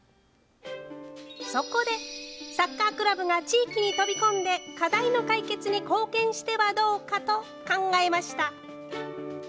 そこでサッカークラブが地域に飛び込んで課題の解決に貢献してはどうかと考えました。